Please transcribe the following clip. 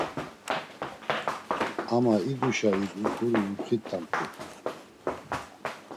Ama iduşa idu guri umxit̆amt̆u.